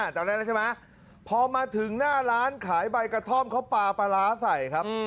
ตอนนั้นแล้วใช่ไหมพอมาถึงหน้าร้านขายใบกระท่อมเขาปลาปลาร้าใส่ครับ